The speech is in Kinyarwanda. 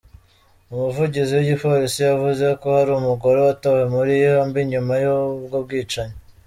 Umuvugizi w'igipolisi yavuze ko hari umugore watawe muri yombi nyuma y'ubwo bwicanyi.